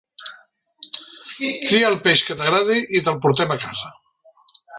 Tria el peix que t'agrada i te'l portem a casa.